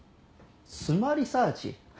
スマ・リサーチ？